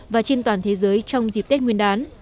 và trên toàn thế giới trong dịp tết nguyên đán